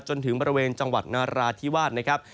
จนถึงบริเวณจังหวัดนาราธิวาสนะครับ